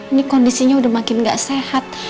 ini kondisinya udah makin nggak sehat